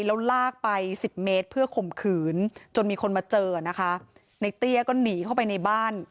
แล้วลากไปสิบเมตรเพื่อข่มขืนจนมีคนมาเจอนะคะในเตี้ยก็หนีเข้าไปในบ้าน